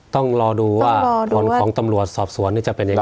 ต้องรอดูว่าผลของตำรวจสอบสวนจะเป็นยังไง